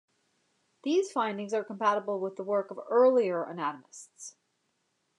These findings are compatible with the work of earlier anatomists.